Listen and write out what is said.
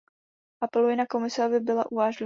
Apeluji na Komisi, aby byla uvážlivá.